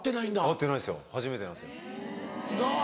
会ってないですよ初めてなんです。なぁ